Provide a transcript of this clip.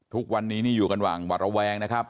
ทุกวันนี้นี่อยู่กันอย่างหวัดระแวงนะครับ